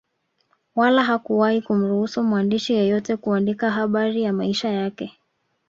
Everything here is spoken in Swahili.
Wala hakuwahi kumruhusu mwandishi yeyote kuandika habari ya maisha yake